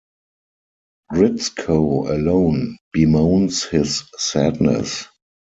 Gritsko, alone, bemoans his sadness.